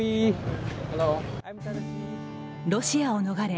ロシアを逃れ